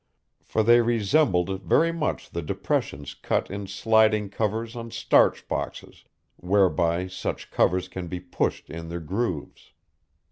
For they resembled very much the depressions cut in sliding covers on starch boxes whereby such covers can be pushed in their grooves.